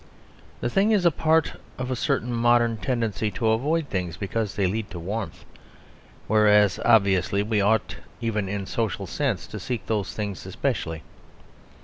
The thing is a part of a certain modern tendency to avoid things because they lead to warmth; whereas, obviously, we ought, even in a social sense, to seek those things specially.